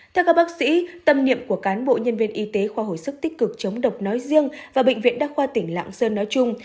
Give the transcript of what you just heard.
theo các bác sĩ tâm niệm của cán bộ nhân viên y tế khoa hồi sức tích cực chống độc nói riêng và bệnh viện đa khoa tỉnh lạng sơn nói chung